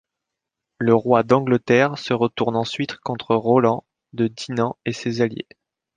Le roi d'Angleterre se retourne ensuite contre Rolland de Dinan et ses alliés.